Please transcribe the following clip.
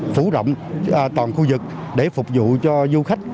phủ rộng toàn khu vực để phục vụ cho du khách